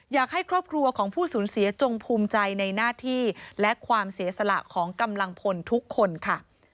อยากให้ครอบครัวของผู้สูญเสียจงภูมิใจในหน้าที่และความเสียสละของกำลังพลทุกคนค่ะ